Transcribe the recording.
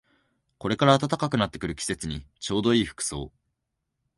これから暖かくなってくる季節にちょうどいい服装